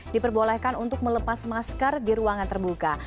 diperbolehkan untuk melepas masker di ruangan terbuka